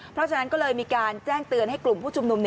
เพราะฉะนั้นก็เลยมีการแจ้งเตือนให้กลุ่มผู้ชุมนุม